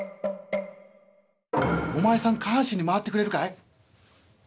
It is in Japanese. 「お前さん下半身に回ってくれるかい？」。